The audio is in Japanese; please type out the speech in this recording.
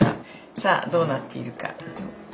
さあどうなっているか？